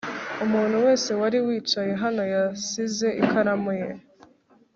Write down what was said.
Umuntu wese wari wicaye hano yasize ikaramu ye